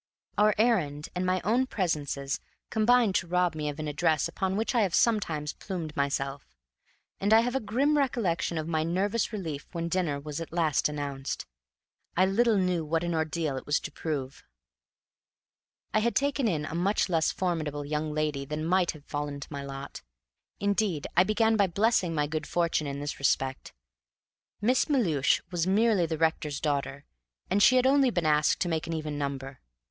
Our errand and my own presences combined to rob me of an address upon which I have sometimes plumed myself; and I have a grim recollection of my nervous relief when dinner was at last announced. I little knew what an ordeal it was to prove. I had taken in a much less formidable young lady than might have fallen to my lot. Indeed I began by blessing my good fortune in this respect. Miss Melhuish was merely the rector's daughter, and she had only been asked to make an even number.